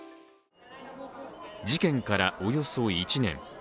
事件からおよそ１年。